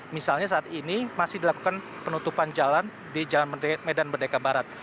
misalnya saat ini masih dilakukan penutupan jalan di jalan medan merdeka barat